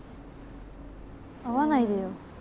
会わないでよ。